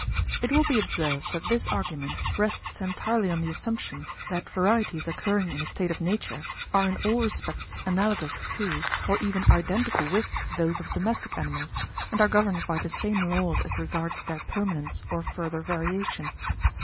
It will be observed that this argument rests entirely on the assumption, that varieties occurring in a state of nature are in all respects analogous to or even identical with those of domestic animals, and are governed by the same laws as regards their permanence or further variation.